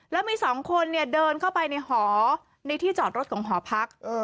แล้วมีสองคนเดินเข้าไปในหอในที่จอดรถของหอพัก